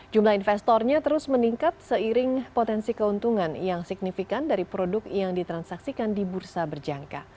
jumlah investornya terus meningkat seiring potensi keuntungan yang signifikan dari produk yang ditransaksikan di bursa berjangka